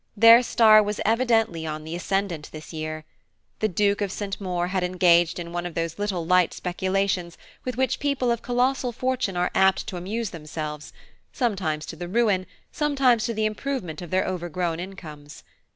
Their star was evidently on the ascendant this year. The Duke of St. Maur had engaged in one of those little light speculations with which people of colossal fortune are apt to amuse themselves, sometimes to the ruin, sometimes to the improvement of their overgrown incomes.